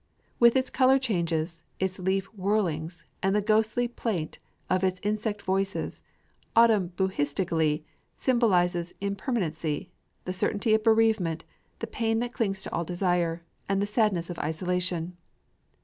With its color changes, its leaf whirlings, and the ghostly plaint of its insect voices, autumn Buddhistically symbolizes impermanency, the certainty of bereavement, the pain that clings to all desire, and the sadness of isolation.